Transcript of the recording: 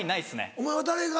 お前は誰が？